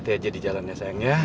hati hati aja di jalannya sayang ya